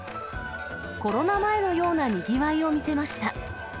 コロナ前のようなにぎわいを見せました。